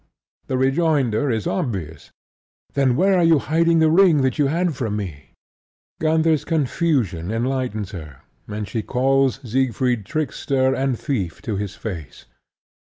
The rejoinder is obvious. "Then where are you hiding the ring that you had from me?" Gunther's confusion enlightens her; and she calls Siegfried trickster and thief to his face.